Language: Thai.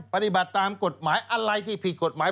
ปฏิบัติตามกฎหมายอะไรที่ผิดกฎหมาย